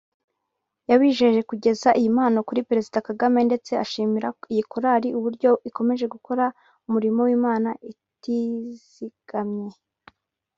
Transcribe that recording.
yabijeje kugeza iyi mpano kuri Perezida Kagame ndetse ashimira iyi Korali uburyo ikomeje gukora umurimo w’Imana itizigamye